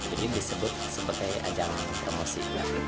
jadi disebut sebagai ajang promosi